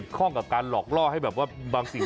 ยืนยันว่าม่อข้าวมาแกงลิงทั้งสองชนิด